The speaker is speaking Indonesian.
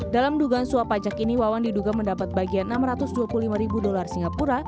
dalam dugaan suap pajak ini wawan diduga mendapat bagian enam ratus dua puluh lima ribu dolar singapura